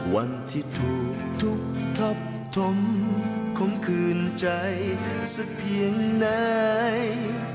วันที่ถูกทุบทับทมคมคืนใจสักเพียงไหน